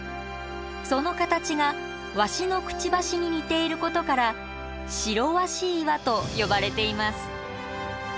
その形がワシのくちばしに似ていることから白鷲岩と呼ばれています。